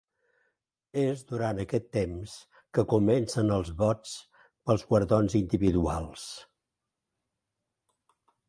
És durant aquest temps que comencen els vots pels guardons individuals.